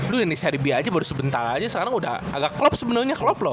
lo yang di serbia aja baru sebentar aja sekarang udah agak klop sebenernya klop loh